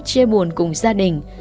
chia buồn cùng gia đình